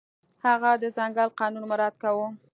هغه د ځنګل قانون مراعت کاوه.